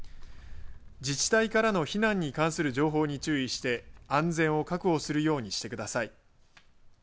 自治体からの避難に関する情報に注意して安全を確保するようにしてください。